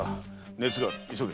熱がある急げ。